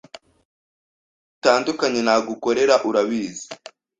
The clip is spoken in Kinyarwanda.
ibintu bitandukanye nagukorera urabizi